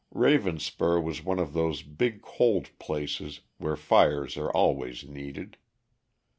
Ravenspur was one of those big cold places where fires are always needed.